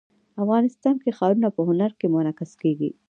افغانستان کې ښارونه په هنر کې منعکس کېږي.